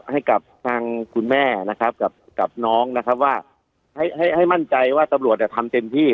ให้กับทางคุณแม่นะครับกับน้องนะครับว่าให้ให้มั่นใจว่าตำรวจทำเต็มที่